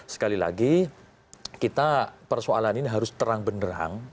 sekali lagi kita persoalan ini harus terang benerang